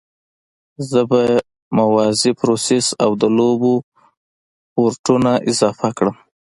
زه به موازي پروسس او د لوبو پورټونه اضافه کړم